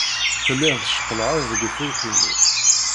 Telliḍ teckellɛeḍ deg ufurk-nni.